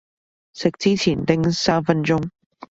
食之前叮三分鐘